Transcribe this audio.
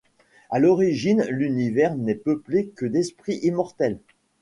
À l'origine l'univers n'est peuplé que d'esprits immortels.